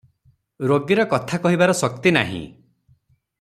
ରୋଗୀର କଥା କହିବାର ଶକ୍ତି ନାହିଁ ।